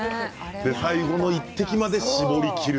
最後の１滴まで絞りきる。